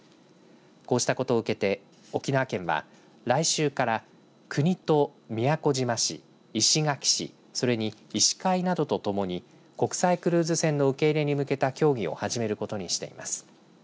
こうしたことを受けて沖縄県は来週から国と宮古島市石垣市それに医師会などと共に国際クルーズ船の受け入れに向けた協議を始めることにしています。